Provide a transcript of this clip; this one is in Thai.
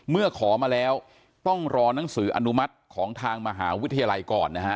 เมื่อขอมาแล้วต้องรอนังสืออนุมัติของทางมหาวิทยาลัยก่อนนะฮะ